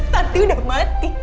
tanti udah mati